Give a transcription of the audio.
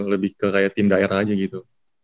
lebih ke kayak tim daerah aja gitu